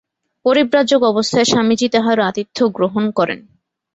পরিব্রাজক অবস্থায় স্বামীজী তাঁহার আতিথ্য গ্রহণ করেন।